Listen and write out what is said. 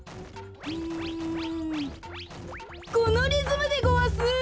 うんこのリズムでごわす！